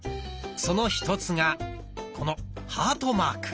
その一つがこのハートマーク。